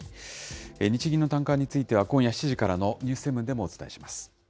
日銀の短観については、今夜７時からのニュース７でもお伝えします。